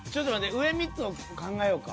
上３つを考えようか。